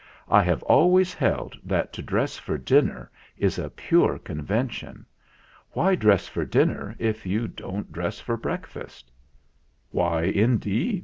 I have always held that to dress for dinner is a pure conven tion. Why dress for dinner if you don't dress for breakfast?" "Why, indeed